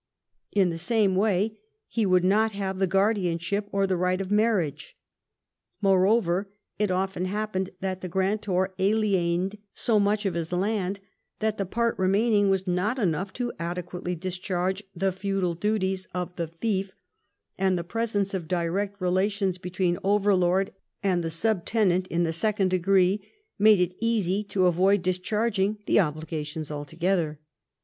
In the same way he would not have the guardianship or the right of marriage. Moreover, it often happened that the grantor aliened so much of his land that the part remaining was not enough to adequately discharge the feudal duties of the fief, and the absence of direct relations between overlord and the subtenant in the second degree made it easy to avoid discharging the obligations altogether.